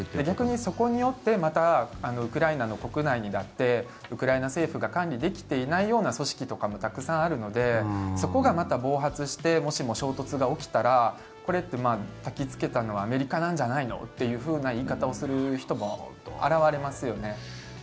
逆にそれによってウクライナのほうにもウクライナ政府が管理できていないような組織とかがたくさんあるのでそこがまた暴発してもしも衝突が起きたらこれってたき付けたのはアメリカなんじゃないのって言い方をする人も現れますよね。